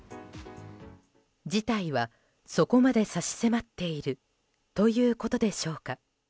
事態はそこまで差し迫っているということでしょうか。